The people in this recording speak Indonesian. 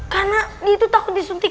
karena dia itu takut disuntik